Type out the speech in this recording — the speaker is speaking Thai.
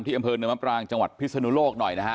ที่อำเภอหนึ่งแม่งปรางจังหวัดพิษณุโลกหน่อยนะฮะ